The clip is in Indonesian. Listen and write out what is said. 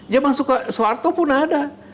dia masuk ke soeharto pun ada